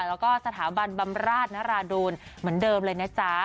แล้วก็สถาบันบำราชนราดูลเหมือนเดิมเลยนะจ๊ะ